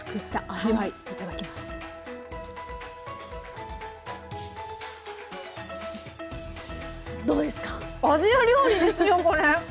アジア料理ですよこれ！